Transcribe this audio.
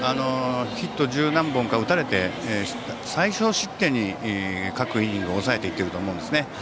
ヒット十何本か打たれて最少失点に各イニング抑えていると思うんですね。